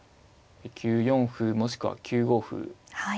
９四歩もしくは９五歩。